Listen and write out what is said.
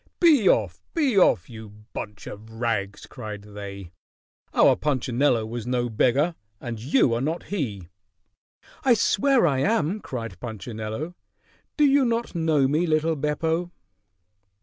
"Be off! Be off! You bunch of rags!" cried they. "Our Punchinello was no beggar, and you are not he." "I swear I am!" cried Punchinello. "Do you not know me, little Beppo?"